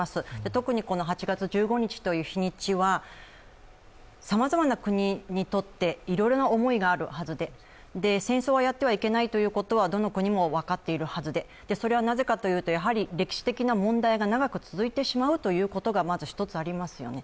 特に、８月１５日という日にちはさまざまな国にとっていろいろな思いがあるはずで戦争はやってはいけないということは、どの国も分かっているはずでそれはなぜかというと、歴史的な問題が長く続いてしまうことがまず一つありますよね。